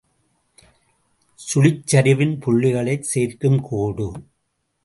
சுழிச்சரிவின் புள்ளிகளைச் சேர்க்கும் கோடு.